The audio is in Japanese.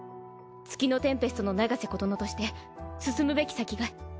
月のテンペストの長瀬琴乃として進むべき先が！